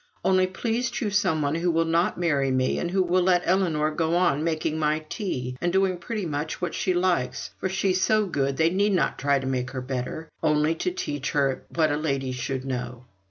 Only, please, choose some one who will not marry me, and who will let Ellinor go on making my tea, and doing pretty much what she likes, for she is so good they need not try to make her better, only to teach her what a lady should know."